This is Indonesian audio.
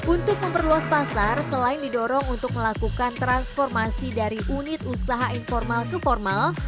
untuk memperluas pasar selain didorong untuk melakukan transformasi dari unit usaha informal ke formal